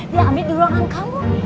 dia ambil di ruangan kamu